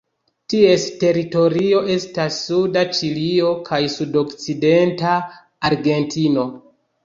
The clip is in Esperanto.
Ties teritorio estas suda Ĉilio kaj sudokcidenta Argentino.